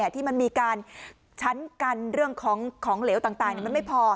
ที่มันมีการชั้นกันเรื่องของเหลวต่างมันไม่พอ